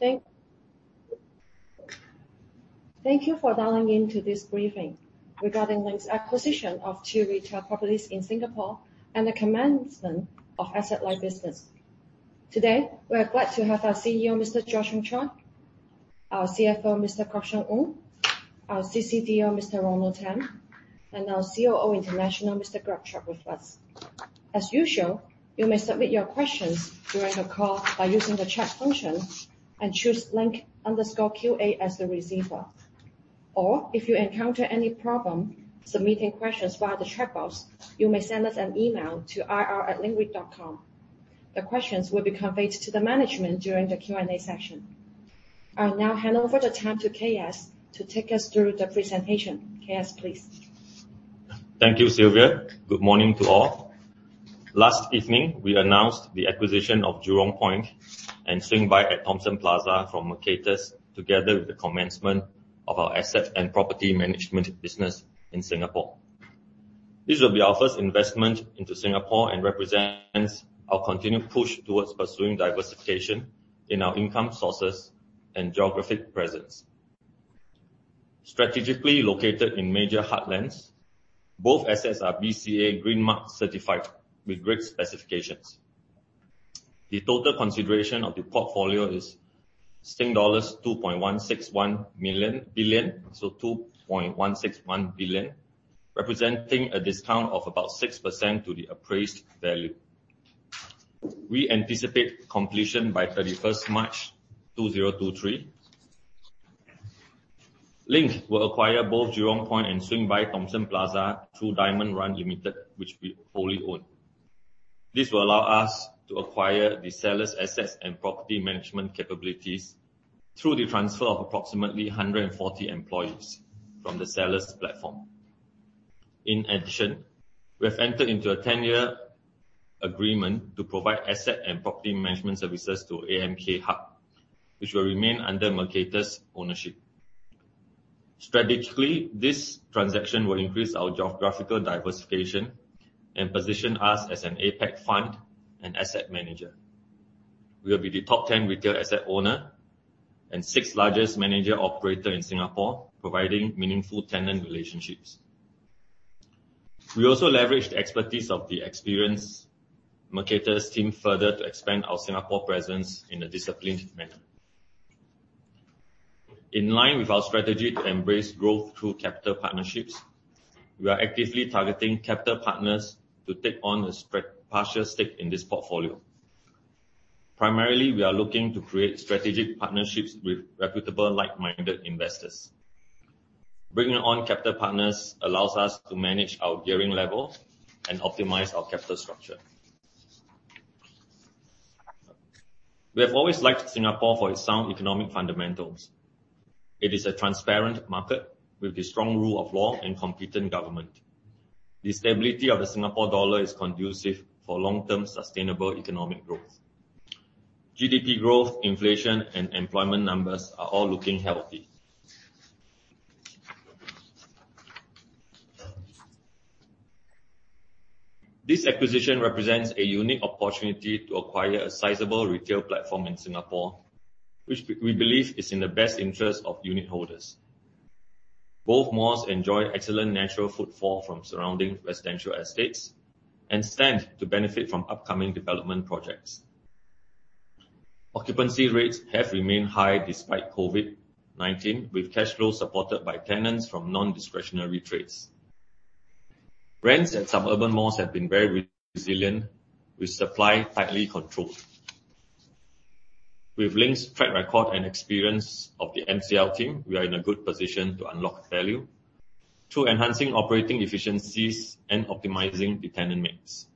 Everyone. Thank you for dialing in to this briefing regarding the acquisition of two retail properties in Singapore and the commencement of asset light business. Today, we are glad to have our CEO, Mr. George Hongchoy, our CFO, Mr. Kok Siong Ng, our CCDO, Mr. Ronald Tham, and our COO International, Mr. Greg Chubb with us. As usual, you may submit your questions during the call by using the chat function and choose Link_QA as the receiver. If you encounter any problem submitting questions via the chat box, you may send us an email to ir@linkreit.com. The questions will be conveyed to the management during the Q&A session. I'll now hand over the time to KS to take us through the presentation. KS, please. Thank you, Sylvia. Good morning to all. Last evening, we announced the acquisition of Jurong Point and Swing By @ Thomson Plaza from Mercatus, together with the commencement of our asset and property management business in Singapore. This will be our first investment into Singapore and represents our continued push towards pursuing diversification in our income sources and geographic presence. Strategically located in major heartlands, both assets are BCA Green Mark certified with great specifications. The total consideration of the portfolio is 2.161 billion, representing a discount of about 6% to the appraised value. We anticipate completion by 31st March 2023. Link will acquire both Jurong Point and Swing By @ Thomson Plaza through Diamond Run Limited, which we wholly own. This will allow us to acquire the sellers' assets and property management capabilities through the transfer of approximately 140 employees from the sellers' platform. We have entered into a 10-year agreement to provide asset and property management services to AMK Hub, which will remain under Mercatus ownership. Strategically, this transaction will increase our geographical diversification and position us as an APAC fund and asset manager. We will be the top 10 retail asset owner and 6th largest manager operator in Singapore, providing meaningful tenant relationships. We also leveraged the expertise of the experienced Mercatus team further to expand our Singapore presence in a disciplined manner. In line with our strategy to embrace growth through capital partnerships, we are actively targeting capital partners to take on a partial stake in this portfolio. Primarily, we are looking to create strategic partnerships with reputable like-minded investors. Bringing on capital partners allows us to manage our gearing level and optimize our capital structure. We have always liked Singapore for its sound economic fundamentals. It is a transparent market with a strong rule of law and competent government. The stability of the Singapore dollar is conducive for long-term sustainable economic growth. GDP growth, inflation, and employment numbers are all looking healthy. This acquisition represents a unique opportunity to acquire a sizable retail platform in Singapore, which we believe is in the best interest of unit holders. Both malls enjoy excellent natural footfall from surrounding residential estates and stand to benefit from upcoming development projects. Occupancy rates have remained high despite COVID-19, with cash flow supported by tenants from non-discretionary trades. Rents at suburban malls have been very resilient, with supply tightly controlled. With Link's track record and experience of the MCL team, we are in a good position to unlock value through enhancing operating efficiencies and optimizing the tenant mix.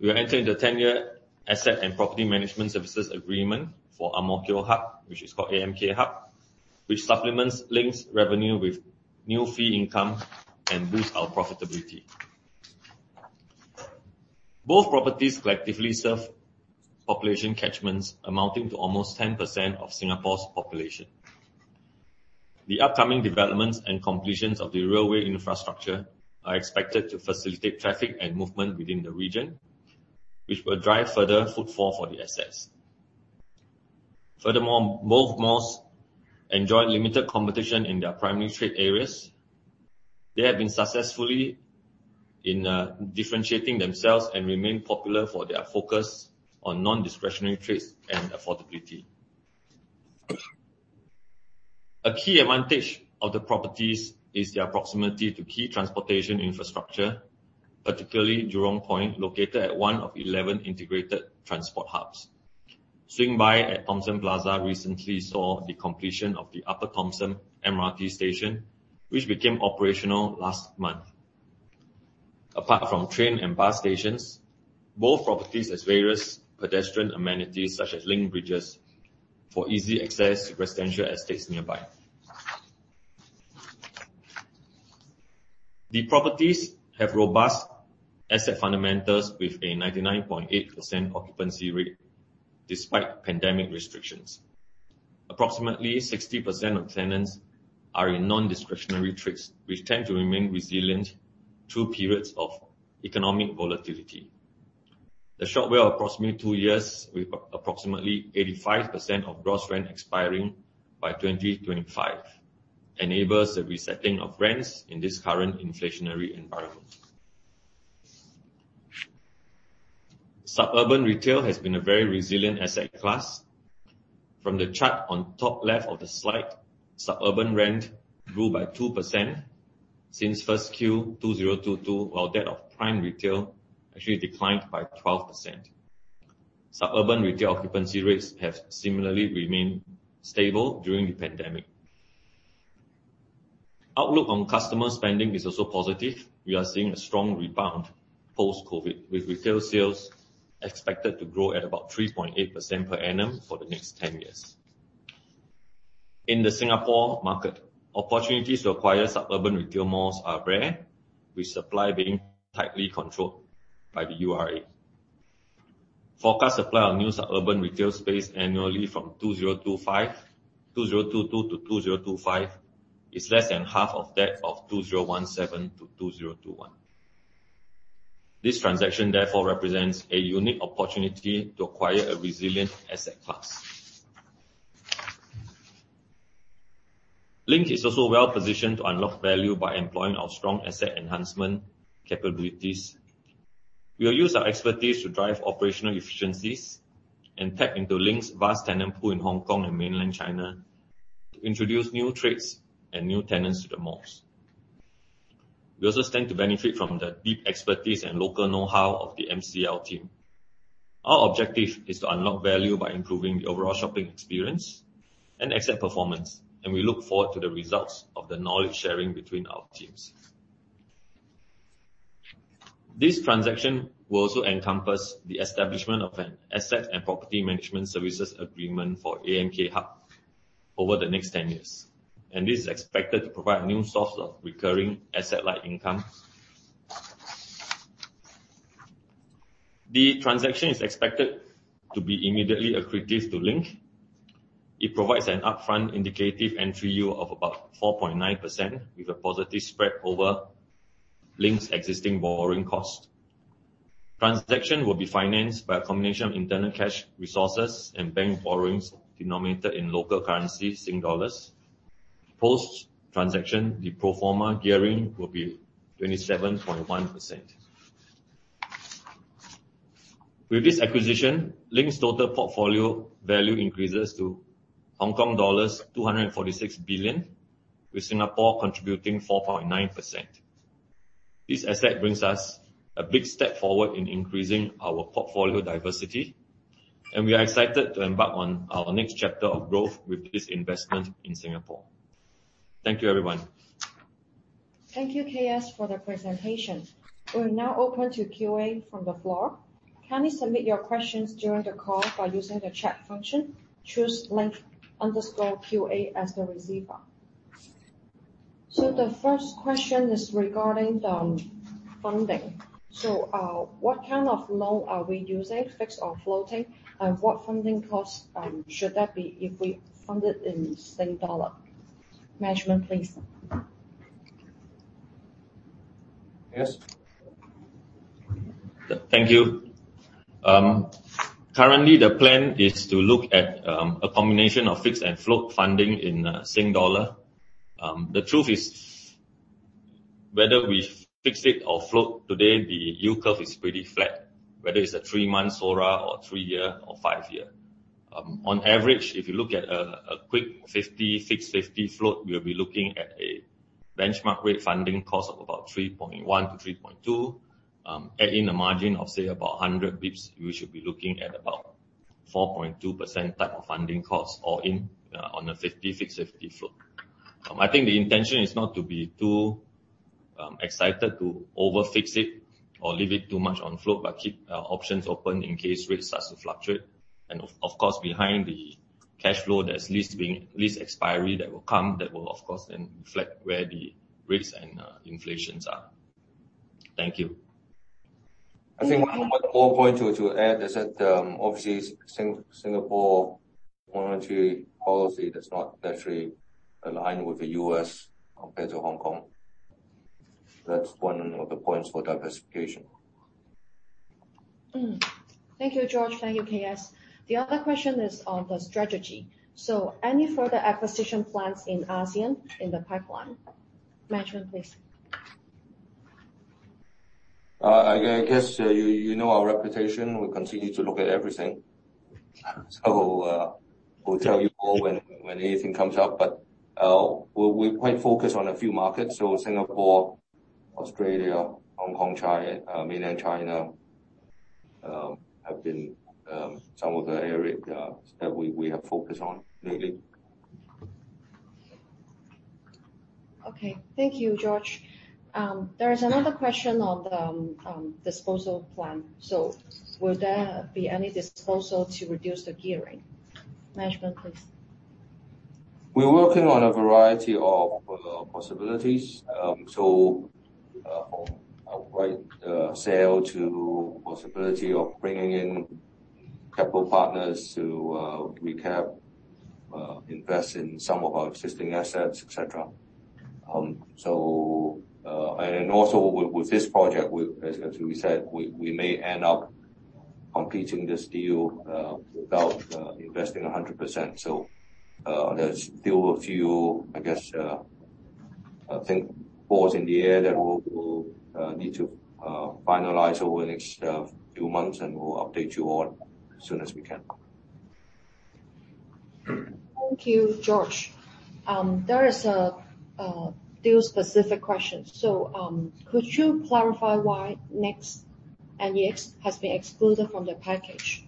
We are entering into a 10-year asset and property management services agreement for Ang Mo Kio Hub, which is called AMK Hub, which supplements Link's revenue with new fee income and boosts our profitability. Both properties collectively serve population catchments amounting to almost 10% of Singapore's population. The upcoming developments and completions of the railway infrastructure are expected to facilitate traffic and movement within the region, which will drive further footfall for the assets. Furthermore, both malls enjoy limited competition in their primary trade areas. They have been successfully differentiating themselves and remain popular for their focus on non-discretionary trades and affordability. A key advantage of the properties is their proximity to key transportation infrastructure, particularly Jurong Point, located at 1 of 11 integrated transport hubs. SwingBy @ Thomson Plaza recently saw the completion of the Upper Thomson MRT station, which became operational last month. Apart from train and bus stations, both properties has various pedestrian amenities such as link bridges for easy access to residential estates nearby. The properties have robust asset fundamentals with a 99.8% occupancy rate despite pandemic restrictions. Approximately 60% of tenants are in non-discretionary trades, which tend to remain resilient through periods of economic volatility. The short wait of approximately 2 years with approximately 85% of gross rent expiring by 2025 enables the resetting of rents in this current inflationary environment. Suburban retail has been a very resilient asset class. From the chart on top left of the slide, suburban rent grew by 2% since 1Q 2022, while that of prime retail actually declined by 12%. Suburban retail occupancy rates have similarly remained stable during the pandemic. Outlook on customer spending is also positive. We are seeing a strong rebound post-COVID, with retail sales expected to grow at about 3.8% per annum for the next 10 years. In the Singapore market, opportunities to acquire suburban retail malls are rare, with supply being tightly controlled by the URA. Forecast supply on new suburban retail space annually from 2022 to 2025 is less than half of that of 2017 to 2021. This transaction therefore represents a unique opportunity to acquire a resilient asset class. Link is also well-positioned to unlock value by employing our strong asset enhancement capabilities. We'll use our expertise to drive operational efficiencies and tap into Link's vast tenant pool in Hong Kong and mainland China to introduce new trades and new tenants to the malls. We also stand to benefit from the deep expertise and local know-how of the MCL team. Our objective is to unlock value by improving the overall shopping experience and asset performance, and we look forward to the results of the knowledge-sharing between our teams. This transaction will also encompass the establishment of an asset and property management services agreement for AMK Hub over the next 10 years, and this is expected to provide a new source of recurring asset-light income. The transaction is expected to be immediately accretive to Link. It provides an upfront indicative entry yield of about 4.9% with a positive spread over Link's existing borrowing cost. Transaction will be financed by a combination of internal cash resources and bank borrowings denominated in local currency SGD. Post-transaction, the pro forma gearing will be 27.1%. With this acquisition, Link's total portfolio value increases to Hong Kong dollars 246 billion, with Singapore contributing 4.9%. This asset brings us a big step forward in increasing our portfolio diversity. We are excited to embark on our next chapter of growth with this investment in Singapore. Thank you, everyone. Thank you, KS, for the presentation. We're now open to QA from the floor. Kindly submit your questions during the call by using the chat function. Choose Link_QA as the receiver. The first question is regarding the funding. What kind of loan are we using, fixed or floating? What funding costs should that be if we fund it in Sing Dollar? Management, please. Yes. Thank you. Currently the plan is to look at a combination of fixed and float funding in SGD. The truth is whether we fix it or float today, the yield curve is pretty flat, whether it's a 3-month SORA or 3-year or 5-year. On average, if you look at a quick 50, 650 float, we'll be looking at a benchmark rate funding cost of about 3.1%-3.2%. Add in a margin of, say, about 100 bips, we should be looking at about 4.2% type of funding cost all in on a 50, 650 float. I think the intention is not to be too excited to over-fix it or leave it too much on float, but keep options open in case rates start to fluctuate. Of course, behind the cash flow, there's lease expiry that will come that will of course then reflect where the rates and inflations are. Thank you. I think one more point to add is that obviously Singapore monetary policy does not necessarily align with the U.S. compared to Hong Kong. That's one of the points for diversification. Thank you, George. Thank you, KS. The other question is on the strategy. Any further acquisition plans in ASEAN in the pipeline? Management, please. I guess, you know our reputation. We continue to look at everything. We'll tell you all when anything comes up, but we might focus on a few markets. Singapore, Australia, Hong Kong, mainland China, have been some of the areas that we have focused on lately. Okay. Thank you, George. There is another question on the disposal plan. Will there be any disposal to reduce the gearing? Management, please. We're working on a variety of possibilities. From outright sale to possibility of bringing in couple partners to recap invest in some of our existing assets, et cetera. Also with this project, as we said, we may end up completing this deal without investing 100%. There's still a few, I guess, I think balls in the air that we'll need to finalize over the next few months, and we'll update you all as soon as we can. Thank you, George. There is a few specific questions. Could you clarify why NEX and YEX has been excluded from the package?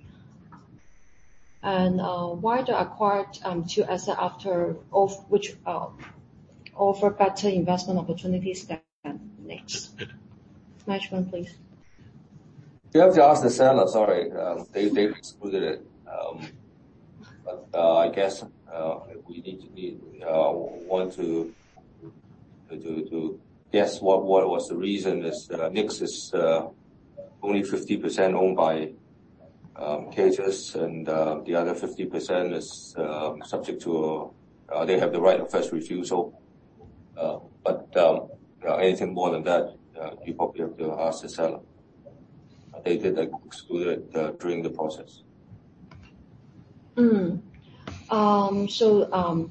Why they acquired two asset after of which offer better investment opportunities than NEX? Management, please. You have to ask the seller. Sorry. They excluded it. I guess we want to guess what was the reason is that NEX is only 50% owned by KGS and the other 50% is subject to they have the right of first refusal. Anything more than that, you probably have to ask the seller. They did, like, exclude it during the process.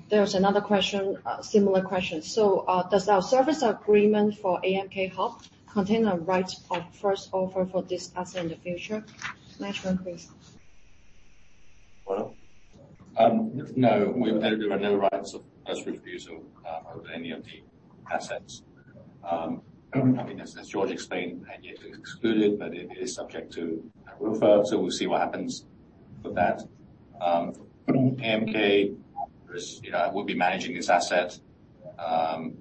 There's another question, a similar question. Does our service agreement for AMK Hub contain a right of first offer for this asset in the future? Management, please. Ronald? No. There are no rights of first refusal, over any of the assets. I mean, as George explained, and yet excluded, but it is subject to a true-up, so we'll see what happens with that. AMK, as you know, we'll be managing this asset,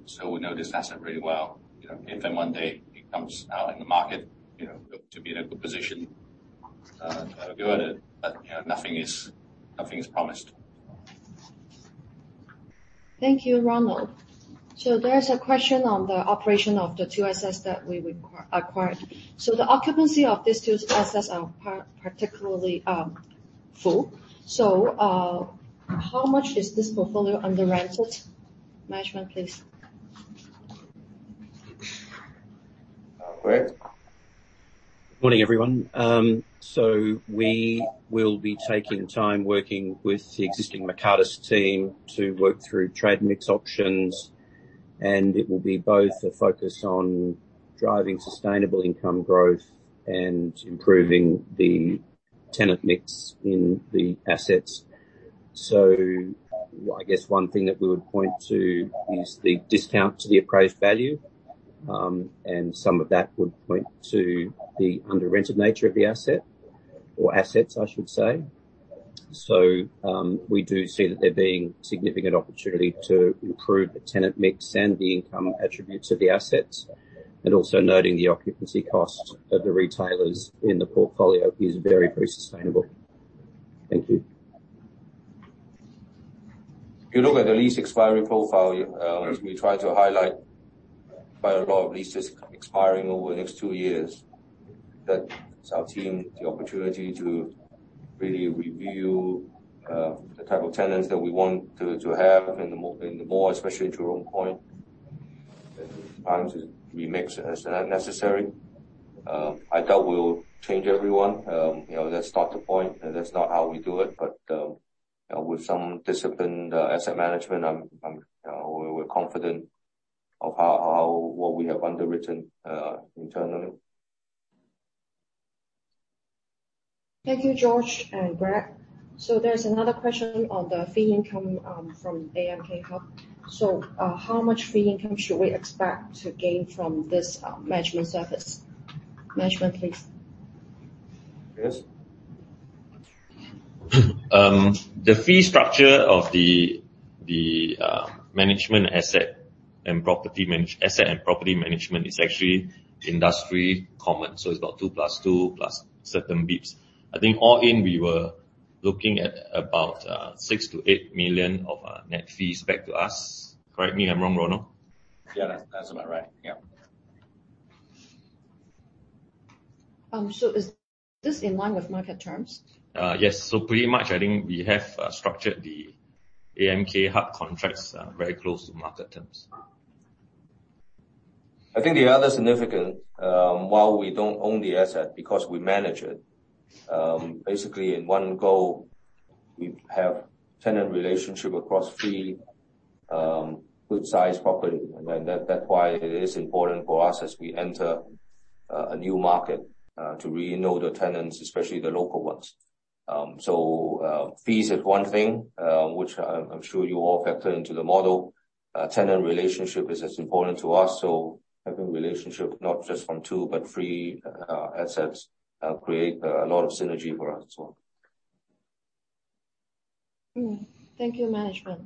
so we know this asset really well. You know, if and one day it comes out in the market, you know, we hope to be in a good position, to have a go at it. You know, nothing is promised. Thank you, Ronald. There's a question on the operation of the two assets that we acquired. The occupancy of these two assets are particularly full. How much is this portfolio under rented? Management, please. Greg? Morning, everyone. We will be taking time working with the existing Mercatus team to work through trade mix options, and it will be both a focus on driving sustainable income growth and improving the tenant mix in the assets. I guess one thing that we would point to is the discount to the appraised value, and some of that would point to the under-rented nature of the asset or assets, I should say. We do see that there being significant opportunity to improve the tenant mix and the income attributes of the assets, and also noting the occupancy cost of the retailers in the portfolio is very, very sustainable. Thank you. If you look at the lease expiry profile, as we try to highlight, quite a lot of leases expiring over the next two years. That gives our team the opportunity to really review the type of tenants that we want to have in the mall, especially to your own point. Sometimes remix as necessary. I doubt we'll change every one. You know, that's not the point, and that's not how we do it. With some disciplined asset management, we're confident of how what we have underwritten internally. Thank you, George and Greg. There's another question on the fee income from AMK Hub. How much fee income should we expect to gain from this management service? Management, please. KS? The fee structure of the asset and property management is actually industry common. It's about two plus two plus certain bps. I think all in we were looking at about 6 million-8 million of net fees back to us. Correct me if I'm wrong, Ronald. Yeah. That's about right. Yeah. Is this in line with market terms? Yes. Pretty much I think we have structured the AMK Hub contracts very close to market terms. I think the other significant, while we don't own the asset, because we manage it, basically in 1 go, we have tenant relationship across 3 good-sized property. That's why it is important for us as we enter a new market to really know the tenants, especially the local ones. Fees is 1 thing, which I'm sure you all factor into the model. Tenant relationship is as important to us. Having relationship not just from 2, but 3 assets, create a lot of synergy for us as well. Thank you, management.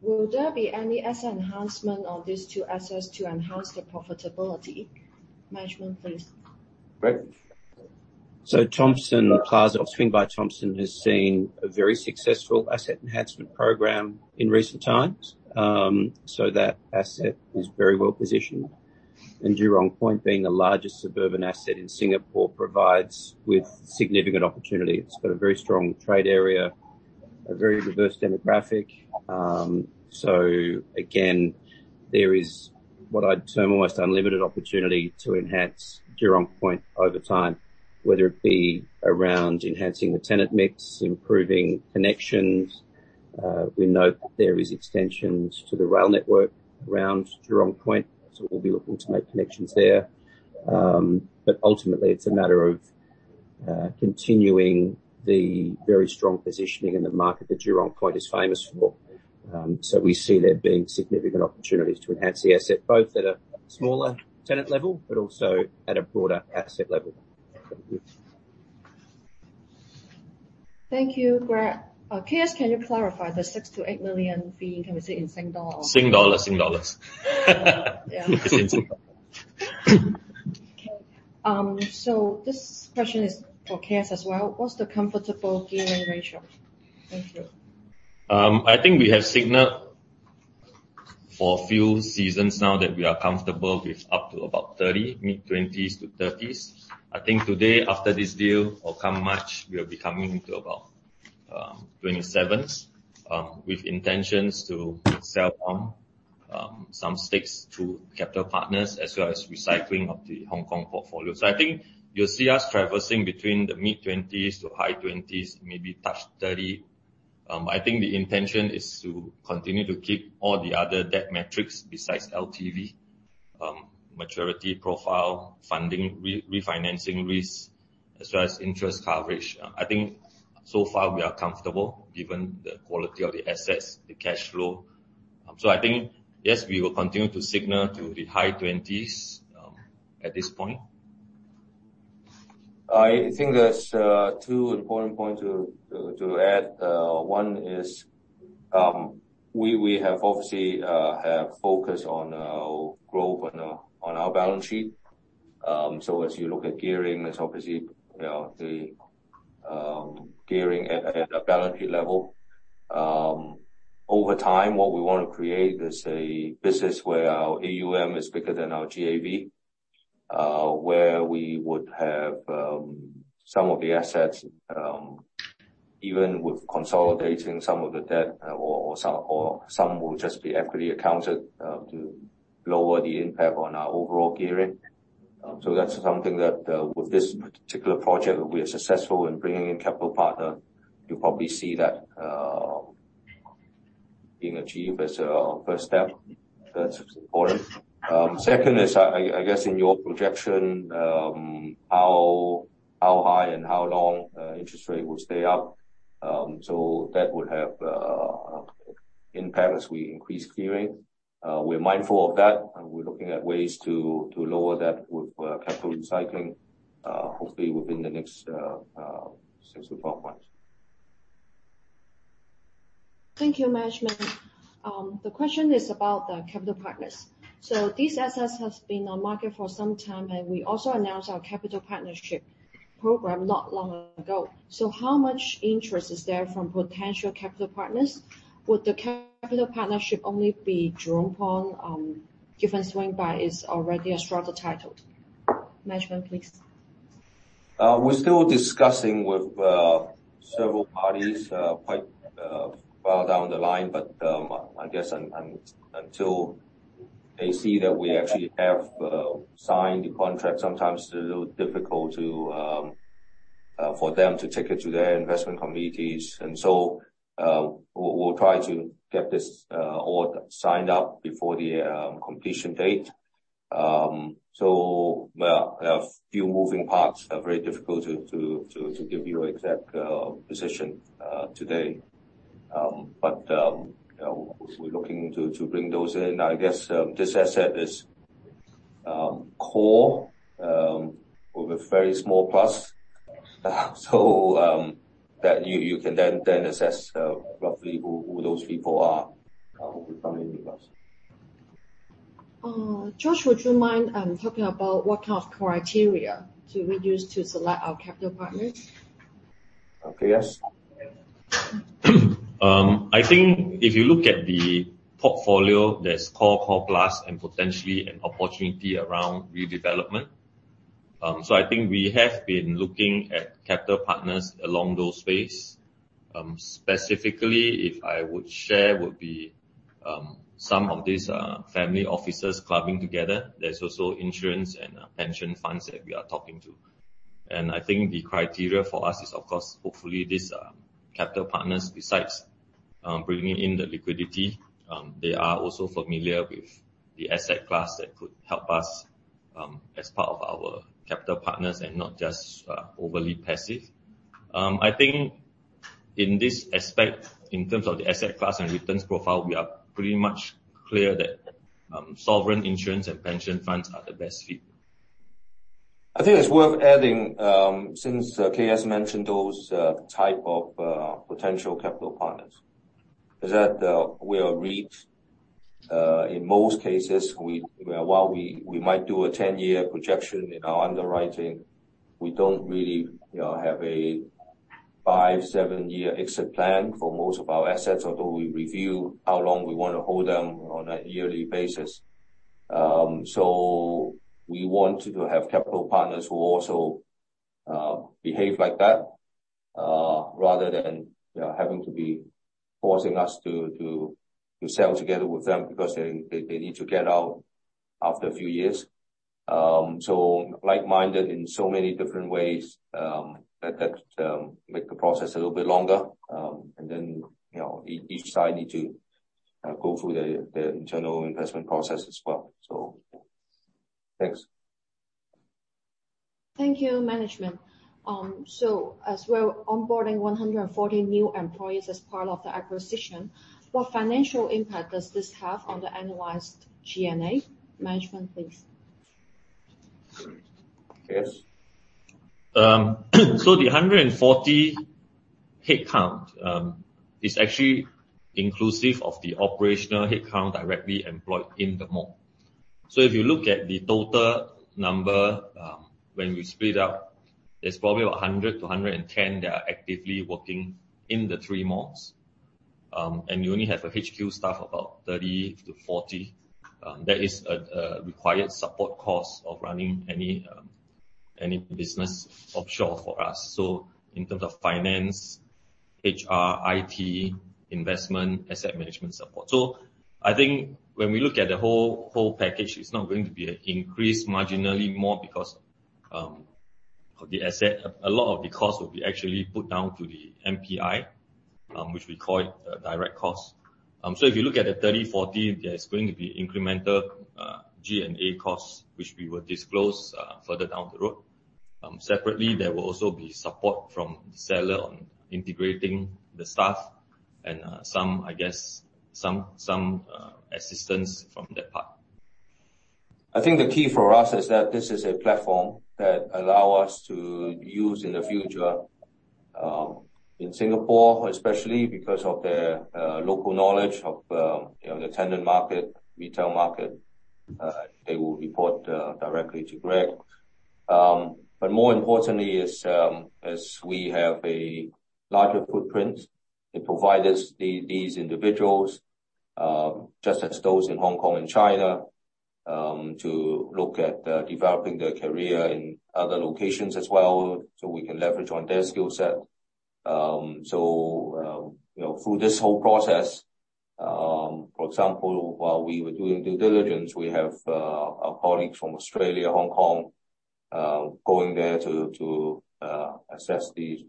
Will there be any asset enhancement on these two assets to enhance the profitability? Management, please. Thomson Plaza, owned by Thomson, has seen a very successful asset enhancement program in recent times. That asset is very well positioned. Jurong Point being the largest suburban asset in Singapore provides with significant opportunity. It's got a very strong trade area, a very diverse demographic. Again, there is what I'd term almost unlimited opportunity to enhance Jurong Point over time, whether it be around enhancing the tenant mix, improving connections. We know there is extensions to the rail network around Jurong Point, we'll be looking to make connections there. Ultimately, it's a matter of continuing the very strong positioning in the market that Jurong Point is famous for. We see there being significant opportunities to enhance the asset, both at a smaller tenant level but also at a broader asset level. Thank you, Greg. KS, can you clarify the 6 million-8 million fee, can we say in SGD? Sing dollar, Sing dollars. Yeah. It's in Sing dollar. Okay. This question is for KS as well. What's the comfortable gearing ratio? Thank you. I think we have signaled for a few seasons now that we are comfortable with up to about 30%, mid-20s% to 30s%. I think today, after this deal or come March, we'll be coming into about 27%, with intentions to sell some stakes to capital partners as well as recycling of the Hong Kong portfolio. I think you'll see us traversing between the mid-20s% to high 20s%, maybe touch 30%. I think the intention is to continue to keep all the other debt metrics besides LTV, maturity profile, funding, re-refinancing risk, as well as interest coverage. I think so far we are comfortable given the quality of the assets, the cash flow. I think yes, we will continue to signal to the high 20s%, at this point. I think there's two important points to add. One is, we have obviously focused on growth on our balance sheet. As you look at gearing, there's obviously, you know, the gearing at a balance sheet level. Over time, what we wanna create is a business where our AUM is bigger than our GAV, where we would have some of the assets, even with consolidating some of the debt or some will just be equity accounted, to lower the impact on our overall gearing. That's something that with this particular project, we are successful in bringing in capital partner. You'll probably see that being achieved as our first step. That's important. Second is, I guess in your projection, how high and how long interest rate will stay up. That would have impact as we increase gearing. We're mindful of that, and we're looking at ways to lower that with capital recycling, hopefully within the next six to 12 months. Thank you, management. The question is about the capital partners. These assets has been on market for some time, and we also announced our capital partnership program not long ago. How much interest is there from potential capital partners? Would the capital partnership only be drawn upon, given SwingBy is already a strata titled? Management, please. We're still discussing with several parties, quite well down the line. I guess until they see that we actually have signed the contract, sometimes it's a little difficult to for them to take it to their investment committees. We'll try to get this all signed up before the completion date. Well, there are few moving parts are very difficult to give you an exact position today. We're looking to bring those in. I guess, this asset is core with a very small plus. That you can then assess roughly who those people are who will come in with us. George, would you mind talking about what kind of criteria do we use to select our capital partners? KS? I think if you look at the portfolio, there's core plus, and potentially an opportunity around redevelopment. I think we have been looking at capital partners along those space. Specifically, if I would share, would be, some of these, family offices clubbing together. There's also insurance and pension funds that we are talking to. I think the criteria for us is, of course, hopefully these capital partners, besides, bringing in the liquidity, they are also familiar with the asset class that could help us, as part of our capital partners and not just overly passive. I think in this aspect, in terms of the asset class and returns profile, we are pretty much clear that, sovereign insurance and pension funds are the best fit. I think it's worth adding, since KS mentioned those type of potential capital partners, is that we are REIT, in most cases we, while we might do a 10-year projection in our underwriting, we don't really, you know, have a 5, 7-year exit plan for most of our assets although we review how long we wanna hold them on a yearly basis. We want to have capital partners who also behave like that, rather than, you know, having to be forcing us to sell together with them because they need to get out after a few years. Like-minded in so many different ways, that make the process a little bit longer. You know, each side need to go through the internal investment process as well. Thanks. Thank you, management. As well, onboarding 140 new employees as part of the acquisition, what financial impact does this have on the analyzed G&A? Management, please. KS? The 140 headcount is actually inclusive of the operational headcount directly employed in the mall. If you look at the total number, when we split up, there's probably about 100-110 that are actively working in the 3 malls. You only have a HQ staff about 30-40. That is a required support cost of running any business offshore for us. In terms of finance, HR, IT, investment, asset management support. I think when we look at the whole package, it's not going to be an increase marginally more because of the asset. A lot of the cost will be actually put down to the MPI, which we call it a direct cost. If you look at the 30, 40, there's going to be incremental G&A costs, which we will disclose further down the road. Separately, there will also be support from the seller on integrating the staff and some, I guess some assistance from their part. I think the key for us is that this is a platform that allow us to use in the future, in Singapore, especially because of their local knowledge of, you know, the tenant market, retail market. They will report directly to Greg. More importantly is, as we have a larger footprint, it provides us these individuals, just as those in Hong Kong and China, to look at developing their career in other locations as well, so we can leverage on their skill set. You know, through this whole process, for example, while we were doing due diligence, we have our colleagues from Australia, Hong Kong, going there to assess the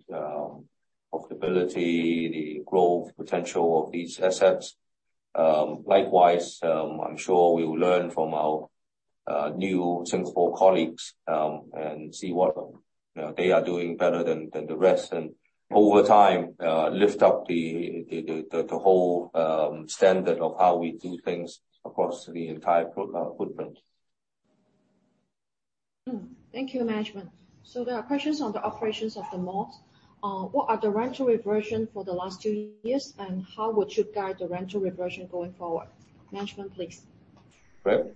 profitability, the growth potential of these assets. Likewise, I'm sure we will learn from our new Singapore colleagues, and see what, you know, they are doing better than the rest. Over time, lift up the whole standard of how we do things across the entire footprint. Thank you, Management. There are questions on the operations of the malls. What are the rental reversion for the last 2 years, and how would you guide the rental reversion going forward? Management, please. Greg?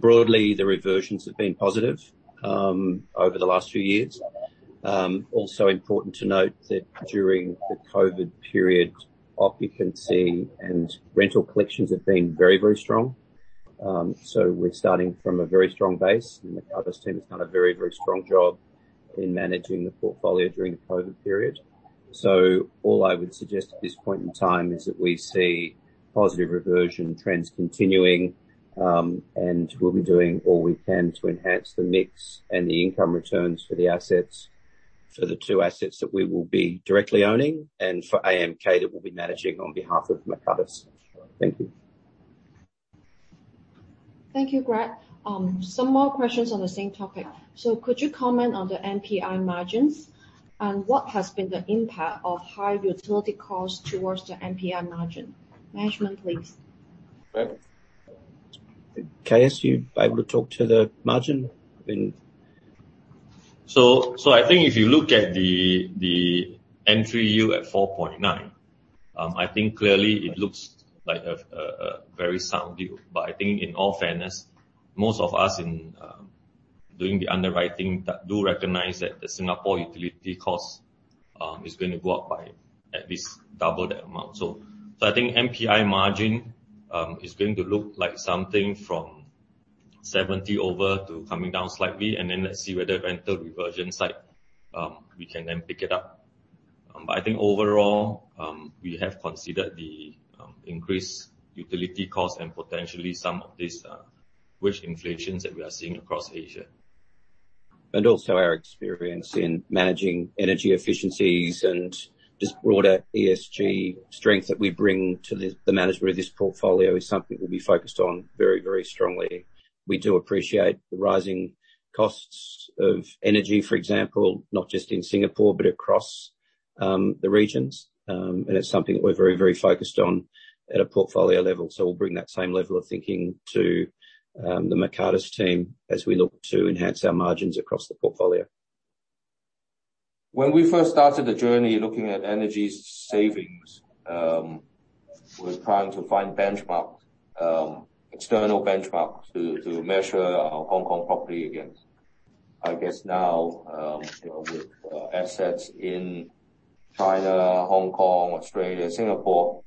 Broadly, the reversions have been positive over the last few years. Also important to note that during the COVID period, occupancy and rental collections have been very, very strong. We're starting from a very strong base, and the Mercatus team has done a very, very strong job in managing the portfolio during the COVID period. All I would suggest at this point in time is that we see positive reversion trends continuing. We'll be doing all we can to enhance the mix and the income returns for the assets, for the two assets that we will be directly owning and for AMK, that we'll be managing on behalf of Mercatus. Thank you. Thank you, Greg. Some more questions on the same topic. Could you comment on the MPI margins and what has been the impact of high utility costs towards the MPI margin? Management, please. Greg? KS, you able to talk to the margin? I mean... I think if you look at the M3U at 4.9, I think clearly it looks like a very sound deal. I think in all fairness, most of us in doing the underwriting do recognize that the Singapore utility cost is going to go up by at least double that amount. I think MPI margin is going to look like something from 70 over to coming down slightly, let's see whether rental reversion side we can then pick it up. I think overall, we have considered the increased utility cost and potentially some of these wage inflations that we are seeing across Asia. Also our experience in managing energy efficiencies and just broader ESG strength that we bring to the management of this portfolio is something that we'll be focused on very, very strongly. We do appreciate the rising costs of energy, for example, not just in Singapore, but across the regions. It's something that we're very, very focused on at a portfolio level. We'll bring that same level of thinking to the Mercatus team as we look to enhance our margins across the portfolio. When we first started the journey looking at energy savings, we're trying to find benchmarks, external benchmarks to measure our Hong Kong property against. I guess now, you know, with assets in China, Hong Kong, Australia, Singapore,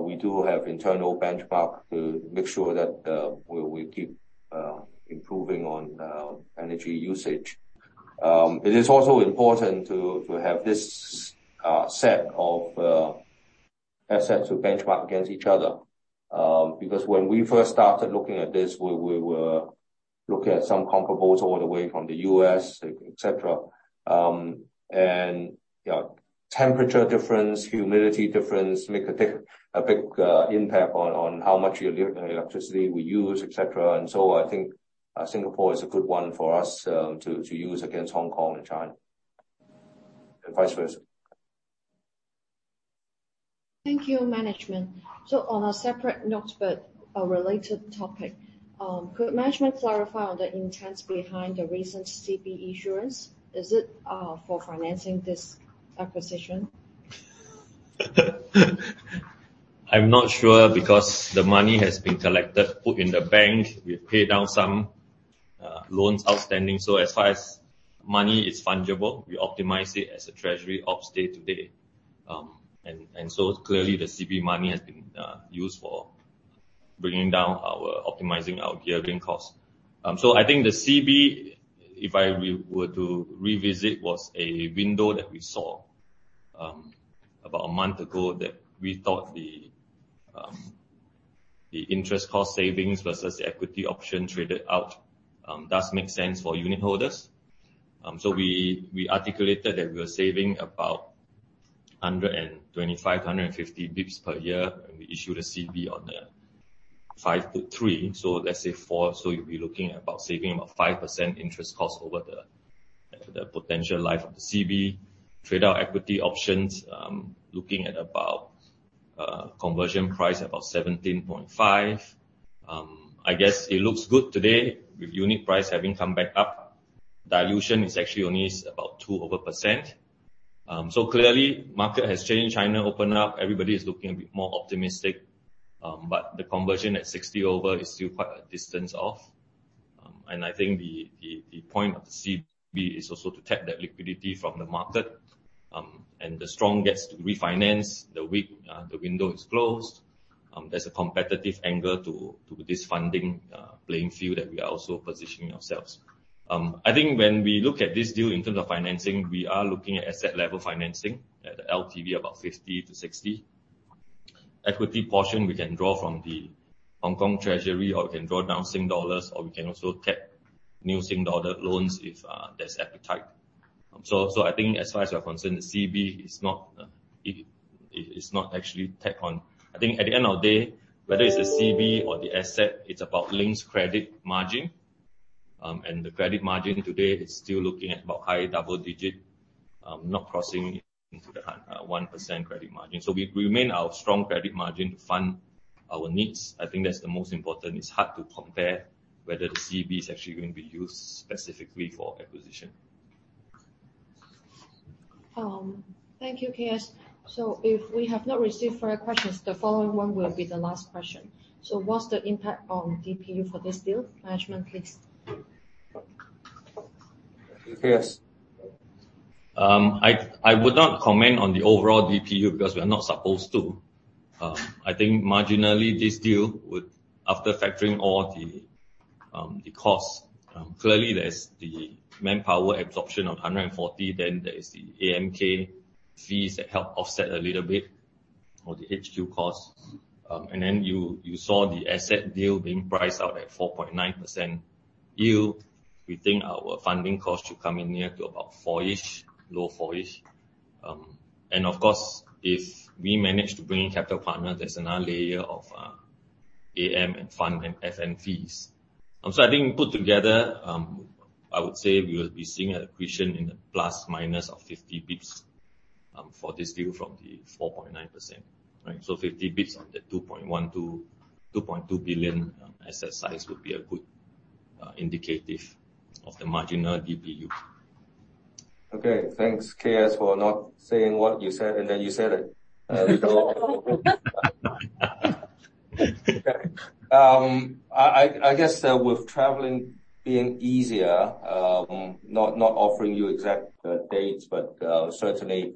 we do have internal benchmark to make sure that we keep improving on energy usage. It is also important to have this set of assets to benchmark against each other. When we first started looking at this, we were looking at some comparables all the way from the US, et cetera. You know, temperature difference, humidity difference make a big impact on how much electricity we use, et cetera. I think Singapore is a good one for us to use against Hong Kong and China, and vice versa. Thank you, management. On a separate note, but a related topic, could management clarify on the intent behind the recent CB issuance? Is it for financing this acquisition? I'm not sure because the money has been collected, put in the bank. We've paid down some loans outstanding. As far as money is fungible, we optimize it as a treasury op day-to-day. Clearly the CB money has been used for bringing down our optimizing our gearing costs. I think the CB, if I were to revisit, was a window that we saw about a month ago that we thought the interest cost savings versus equity option traded out does make sense for unit holders. We articulated that we are saving about 125-150 bps per year, and we issued a CB on the 5 to 3. Let's say 4. You'll be looking at about saving about 5% interest costs over the potential life of the CB. Trade our equity options, looking at about conversion price, about 17.5. I guess it looks good today with unit price having come back up. Dilution is actually only about 2% over. Clearly market has changed. China opened up. Everybody is looking a bit more optimistic. The conversion at 60 over is still quite a distance off. I think the point of the CB is also to tap that liquidity from the market. The strong gets to refinance, the weak, the window is closed. There's a competitive angle to this funding playing field that we are also positioning ourselves. I think when we look at this deal in terms of financing, we are looking at asset level financing at LTV about 50-60%. Equity portion, we can draw from the Hong Kong Treasury, or we can draw down SGD, or we can also tap new SGD loans if there's appetite. I think as far as we're concerned, the CB is not, it's not actually tapped on. I think at the end of the day, whether it's the CB or the asset, it's about Link credit margin. The credit margin today is still looking at about high double digit, not crossing into the 1% credit margin. We remain our strong credit margin to fund our needs. I think that's the most important. It's hard to compare whether the CB is actually going to be used specifically for acquisition. Thank you, KS. If we have not received further questions, the following one will be the last question. What's the impact on DPU for this deal? Management, please. Yes. I would not comment on the overall DPU because we are not supposed to. I think marginally this deal would, after factoring all the costs. Clearly there's the manpower absorption of 140, then there is the AM fees that help offset a little bit or the HQ costs. Then you saw the asset deal being priced out at 4.9% yield. We think our funding costs should come in near to about four-ish, low four-ish. Of course, if we manage to bring in capital partners, there's another layer of AM and fund and FM fees. I think put together, I would say we will be seeing an accretion in the plus minus of 50 bps for this deal from the 4.9%. Right. 50 bps on the 2.1 billion-2.2 billion asset size would be a good indicative of the marginal DPU. Okay. Thanks, KS, for not saying what you said, and then you said it. I guess with traveling being easier, not offering you exact dates, but certainly,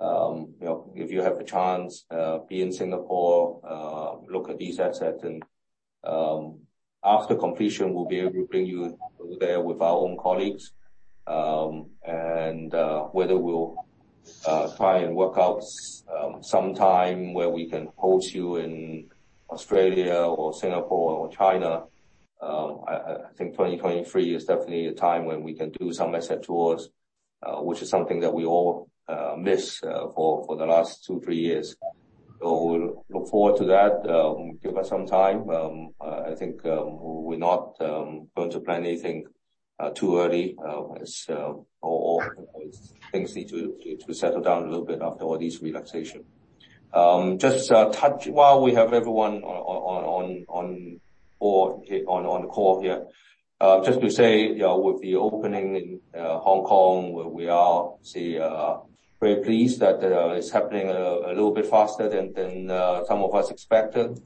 you know, if you have the chance, be in Singapore, look at these assets and after completion, we'll be able to bring you there with our own colleagues. Whether we'll try and work out some time where we can host you in Australia or Singapore or China. I think 2023 is definitely a time when we can do some asset tours, which is something that we all miss for the last two, three years. We'll look forward to that. Give us some time. I think we're not going to plan anything too early, as all things need to settle down a little bit after all these relaxation. Just touch... While we have everyone on the call here, just to say, you know, with the opening in Hong Kong, where we are, say, very pleased that it's happening a little bit faster than some of us expected.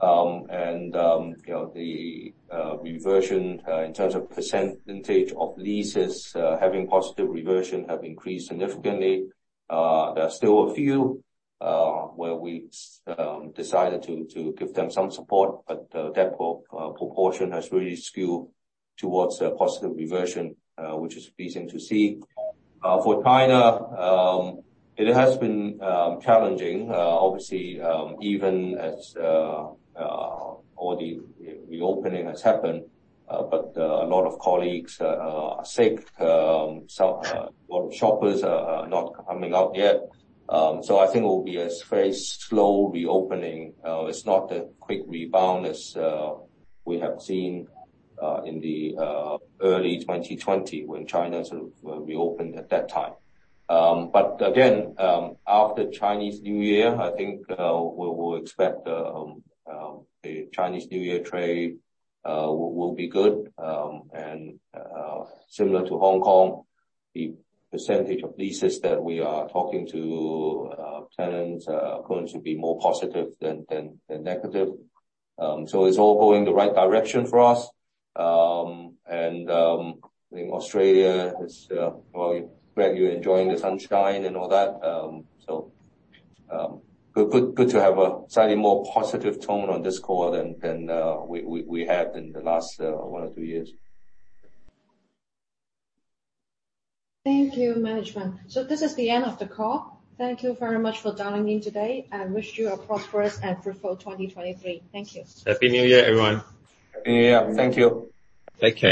You know, the reversion in terms of percentage of leases, having positive reversion have increased significantly. There are still a few where we decided to give them some support, but that proportion has really skewed towards a positive reversion, which is pleasing to see. For China, it has been challenging. Obviously, even as all the reopening has happened, but a lot of colleagues are sick. A lot of shoppers are not coming out yet. I think it will be a very slow reopening. It's not a quick rebound as we have seen in the early 2020 when China sort of reopened at that time. Again, after Chinese New Year, I think we'll expect the Chinese New Year trade will be good. Similar to Hong Kong, the percentage of leases that we are talking to, tenants are going to be more positive than negative. It's all going the right direction for us. I think Australia is, well, glad you're enjoying the sunshine and all that. Good to have a slightly more positive tone on this call than we had in the last one or two years. Thank you, management. This is the end of the call. Thank you very much for dialing in today and wish you a prosperous and fruitful 2023. Thank you. Happy New Year, everyone. Happy New Year. Thank you. Take care.